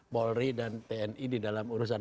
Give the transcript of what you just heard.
polri dan tni di dalam urusan